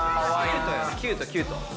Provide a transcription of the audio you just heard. キュートキュート。